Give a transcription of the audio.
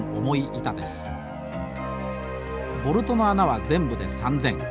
ボルトの穴は全部で３，０００。